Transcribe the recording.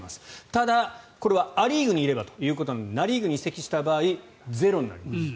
ただ、これはア・リーグにいればということなのでナ・リーグに移籍した場合ゼロになります。